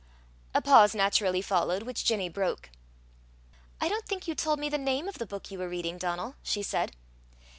A pause naturally followed, which Ginny broke. "I don't think you told me the name of the book you were reading, Donal," she said.